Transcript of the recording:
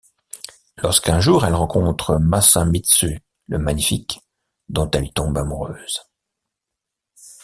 Lorsqu'un jour elle rencontre Masamitsu Le Magnifique, dont elle tombe amoureuse.